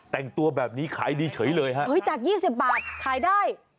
แต่งตัวแบบนี้ขายดีเฉยเลยฮะจาก๒๐บาทขายได้